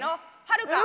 はるか。